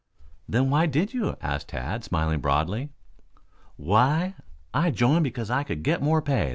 "Then why did you?" asked Tad, smiling broadly. "Why? I joined because I could get more pay.